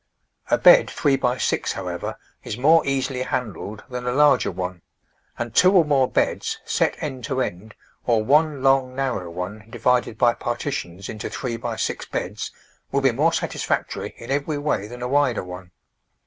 A bed three by six, however, is more easily handled than a larger one ; and two or more beds, set end to end, or one long, narrow one divided by partitions into three by six beds, will be more satisfactory in every way than a wider one.